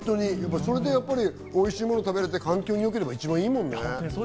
それでおいしいものが食べられて環境によければ一番いいもんね。